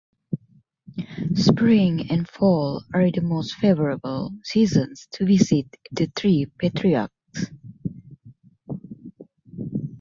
Spring and fall are the most favorable seasons to visit th Three Patriarchs.